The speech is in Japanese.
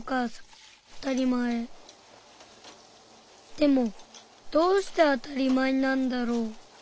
でもどうしてあたりまえなんだろう？